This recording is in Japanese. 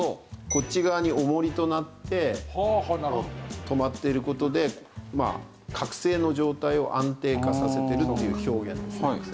こっち側に重りとなって止まっている事で覚醒の状態を安定化させているっていう表現ですね。